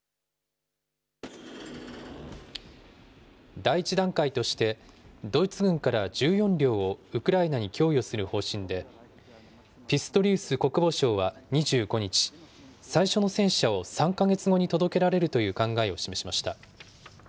第１段階としてドイツ軍から１４両をウクライナに供与する方針で、ピストリウス国防相は２５日、最初の戦車を３か月後に届けられるという考えを示しました。